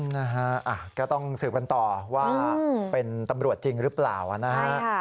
นะฮะก็ต้องสืบกันต่อว่าเป็นตำรวจจริงหรือเปล่านะฮะ